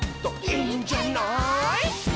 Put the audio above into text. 「いいんじゃない」